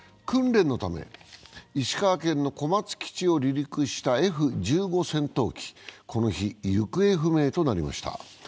訓練のため石川県の小松基地を離陸したＦ１５戦闘機、この日、行方不明となりました。